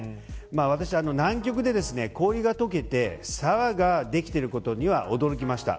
私、南極で氷が解けて沢ができていることには驚きました。